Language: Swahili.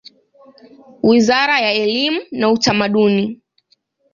Wizara ya elimu na Utamaduni.